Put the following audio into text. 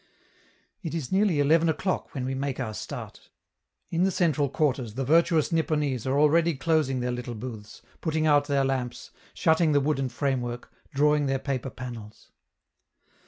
It is nearly eleven o'clock when we make our start. In the central quarters the virtuous Nipponese are already closing their little booths, putting out their lamps, shutting the wooden framework, drawing their paper panels.